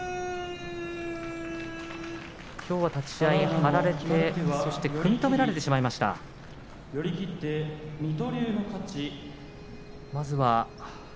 きょうは立ち合い張られて組み止められてしまいました輝です。